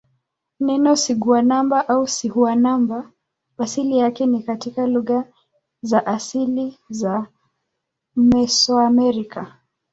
Neno siguanaba au sihuanaba asili yake ni katika lugha za asili za Mesoamerica.